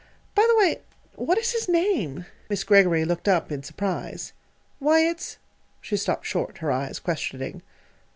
By the way, what is his name?" Miss Greggory looked up in surprise. "Why, it's " She stopped short, her eyes questioning.